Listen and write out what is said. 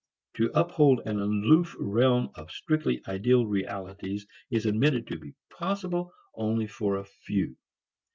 To uphold an aloof realm of strictly ideal realities is admitted to be possible only for a few.